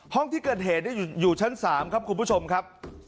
ห้องที่เกิดเหตุอยู่ชั้น๓ครับคุณผู้ชมครับ